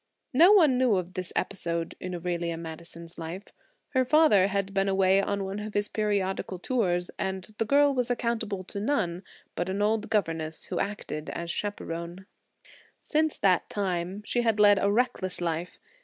No one knew of this episode in Aurelia Madison's life. Her father had been away on one of his periodical tours, and the girl was accountable to none but an old governess who acted as chaperone. Since that time she had led a reckless life.